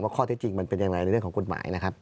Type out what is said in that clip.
ข้อเท็จจริงมันเป็นอย่างไรในเรื่องของกฎหมายนะครับ